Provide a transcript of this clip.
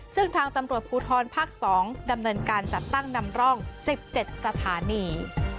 ซึ่งทางตำรวจภูทรภาค๒ดำเนินการจัดตั้งนำร่อง๑๗สถานี